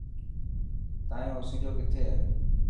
تايون اوسينجو ڪٿي هي.